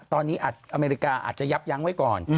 ตอนนี้อเมริกาอาจจะยับยั้งไว้ก่อน